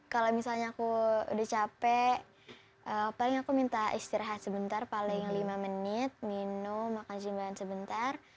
kalau misalnya aku udah capek paling aku minta istirahat sebentar paling lima menit minum makan jimbaan sebentar